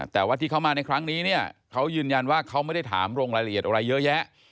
แต่ว่าที่เขามาในครั้งนี้เนี่ยเขายืนยันว่าเขาไม่ได้ถามลงรายละเอียดอะไรเยอะแยะ